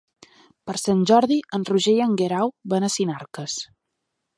Per Sant Jordi en Roger i en Guerau van a Sinarques.